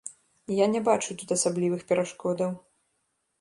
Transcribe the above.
Я не бачу тут асаблівых перашкодаў.